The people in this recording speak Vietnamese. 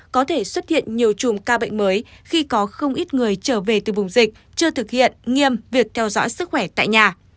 có thể xuất hiện nhiều chùm ca bệnh mới khi có không ít người trở về từ vùng dịch chưa thực hiện nghiêm việc theo dõi sức khỏe tại nhà